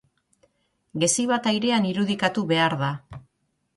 Gezi bat airean irudikatu behar da.